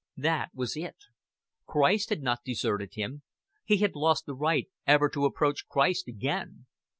That was it. Christ had not deserted him; he had lost the right ever to approach Christ again.